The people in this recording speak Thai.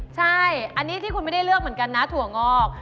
ใช่อันนี้ที่คุณไม่ได้เลือกเหมือนกันนะถั่วงอก